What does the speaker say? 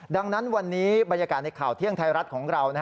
ดังนั้นวันนี้บรรยากาศในข่าวเที่ยงไทยรัฐของเรา